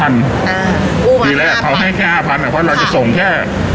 ปีแรกเขาให้แค่๕๐๐เพราะเราจะส่งแค่